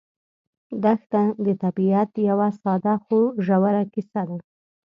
دښته د طبیعت یوه ساده خو ژوره کیسه ده.